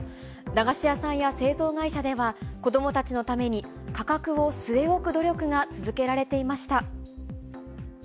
駄菓子屋さんや製造会社では、子どもたちのために、価格を据え置く努力が続けられていました。